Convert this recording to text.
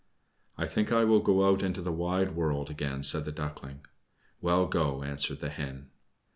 "I think I will go out into the wide world again," said the Duckling. "Well, go," answered the Hen.